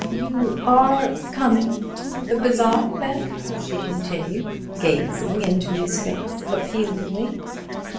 "You are coming to the Bazaar, then?" she continued, gazing into his face appealingly.